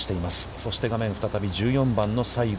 そして、画面再び１４番の西郷。